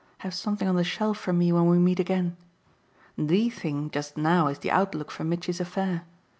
Have something on the shelf for me when we meet again. THE thing just now is the outlook for Mitchy's affair.